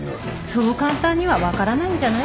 そう簡単には分からないんじゃない？